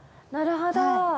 なるほど。